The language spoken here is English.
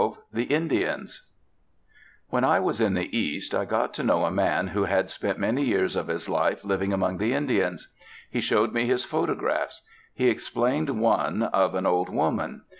XII THE INDIANS When I was in the East, I got to know a man who had spent many years of his life living among the Indians. He showed me his photographs. He explained one, of an old woman.